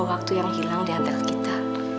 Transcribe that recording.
waktu yang hilang di antara kita